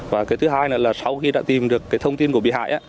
và thứ hai là sau khi đã tìm được thông tin của bị hại